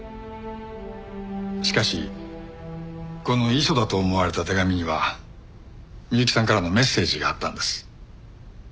しかしこの遺書だと思われた手紙には美雪さんからのメッセージがあったんです。